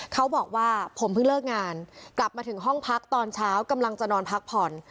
เขาบอกว่าผมเพิ่งเลิกงานกลับมาถึงห้องพักตอนเช้ากำลังจะนอนพักผ่อน